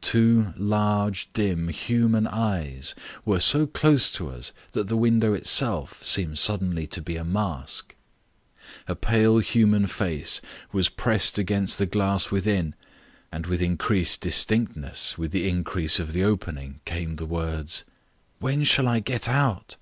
Two large dim human eyes were so close to us that the window itself seemed suddenly to be a mask. A pale human face was pressed against the glass within, and with increased distinctness, with the increase of the opening came the words: "When shall I get out?"